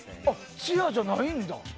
チアじゃないんだ。